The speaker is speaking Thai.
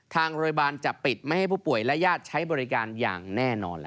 ทางโรงพยาบาลจะปิดไม่ให้ผู้ป่วยและญาติใช้บริการอย่างแน่นอนล่ะ